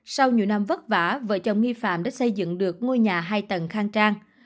sau nhiều năm vất vả vợ chồng nghi phạm đã xây dựng được ngôi nhà hai tầng khang trang